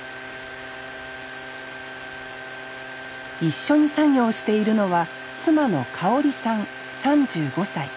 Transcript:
一緒に作業しているのは妻のかほりさん３５歳。